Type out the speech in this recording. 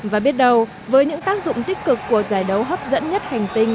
và biết đầu với những tác dụng tích cực của giải đấu hấp dẫn nhất hành tinh